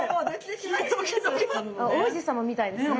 王子様みたいですね。